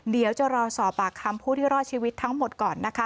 เดี๋ยวจะรอสอบปากคำผู้ที่รอดชีวิตทั้งหมดก่อนนะคะ